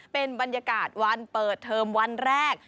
เป็นบรรยากาศวันเปิดเทอมวันแรก